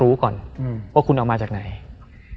เพื่อที่จะให้แก้วเนี่ยหลอกลวงเค